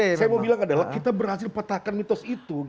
yang saya mau bilang adalah kita berhasil patahkan mitos itu